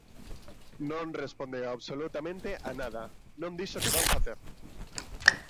Non respondeu absolutamente a nada, non dixo que van facer.